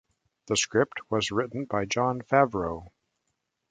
The script was written by Jon Favreau.